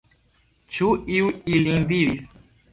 Ĉu iu ilin vidis?